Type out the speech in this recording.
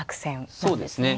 そうですね。